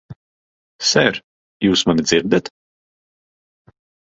Ser, jūs mani dzirdat?